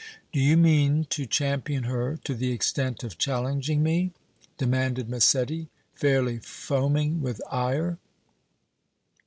"Do you mean to champion her to the extent of challenging me?" demanded Massetti, fairly foaming with ire.